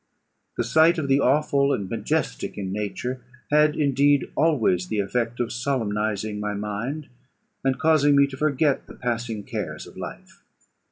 The sight of the awful and majestic in nature had indeed always the effect of solemnising my mind, and causing me to forget the passing cares of life.